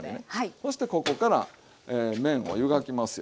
そしてここから麺を湯がきますよ。